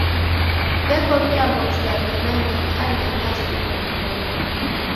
Veko vilambo vizamie nandighi andenyi ya simu ya mkonunyi.